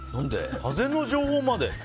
風の情報まで？